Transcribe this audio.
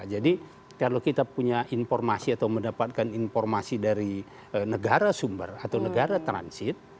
jadi kalau kita punya informasi atau mendapatkan informasi dari negara sumber atau negara transit